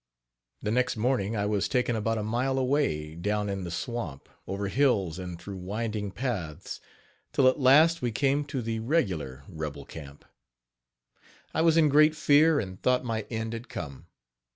The next morning I was taken about a mile away down in the swamp, over hills and through winding paths, till at last we came to the regular rebel camp. I was in great fear and thought my end had come.